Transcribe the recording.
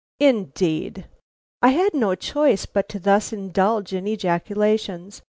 "Indeed!" I had no choice but to thus indulge in ejaculations.